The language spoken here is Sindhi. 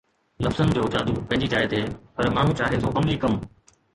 لفظن جو جادو پنهنجي جاءِ تي پر ماڻهو چاهي ٿو عملي ڪم